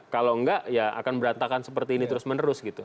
kalau enggak ya akan berantakan seperti ini terus menerus gitu